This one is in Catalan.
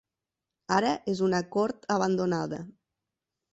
Ara és una cort abandonada.